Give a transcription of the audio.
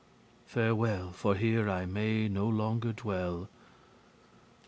Farewell, for here I may no longer dwell.